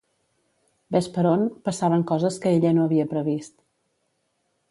Vés per on, passaven coses que ella no havia previst.